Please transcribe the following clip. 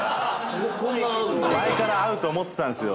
前から合うと思ってたんですよ。